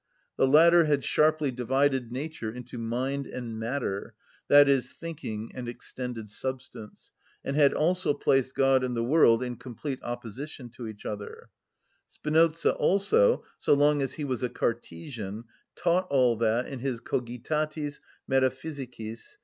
The latter had sharply divided nature into mind and matter, i.e., thinking and extended substance, and had also placed God and the world in complete opposition to each other; Spinoza also, so long as he was a Cartesian, taught all that in his "Cogitatis Metaphysicis," c.